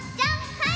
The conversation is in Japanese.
はい！